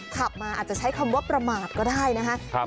ขับมาอาจจะใช้คำว่าประมาทก็ได้นะครับ